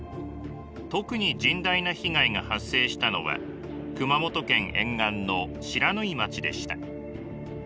特に甚大な被害が発生したのは熊本県沿岸の不知火町でした。